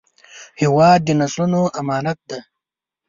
هېواد د نسلونو امانت دی